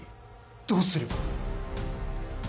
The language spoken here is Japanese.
・どうすれば？